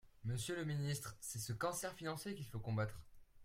Monsieur le ministre, c’est ce cancer financier qu’il faut combattre.